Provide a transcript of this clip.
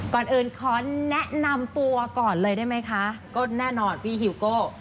ก่อนอื่นขอแนะนำตัวก่อนเลยได้ไหมคะก็แน่นอนพี่ฮิวโก้